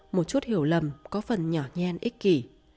một chút hiểu lầm có phần nhỏ nhen ích kỷ